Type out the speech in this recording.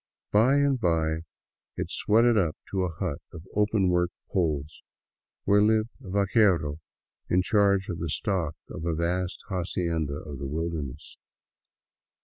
By and by it sweated up to a hut of open work poles, where lived a vaquero in charge of the stock of a vast hacienda of the wilderness.